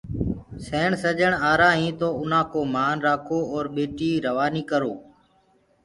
سيڻ سڃڻ آرآ هينٚ تو اُنا ڪو مان رآکو اور ٻٽي روآني ڪرو۔